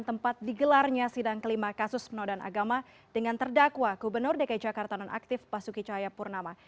tempat digelarnya sidang kelima kasus penodaan agama dengan terdakwa gubernur dki jakarta nonaktif basuki cahayapurnama